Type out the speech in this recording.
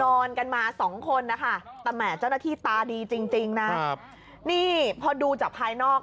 นอนกันมาสองคนนะคะแต่แหม่เจ้าหน้าที่ตาดีจริงจริงนะครับนี่พอดูจากภายนอก